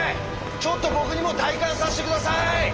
ちょっと僕にも体感させて下さい！